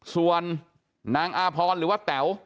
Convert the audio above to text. ส่วนนางอาพรหรือว่าแต๋ว